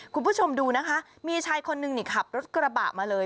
คุณผู้ชมดูนะคะมีชายคนนึงนี่ขับรถกระบะมาเลย